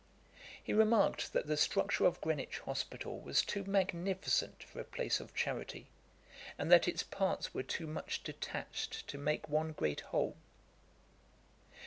He remarked that the structure of Greenwich hospital was too magnificent for a place of charity, and that its parts were too much detached to make one great whole.